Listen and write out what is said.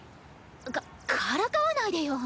かからかわないでよ。